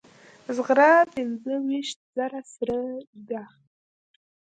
زغره پنځه ویشت زره سره زر ده.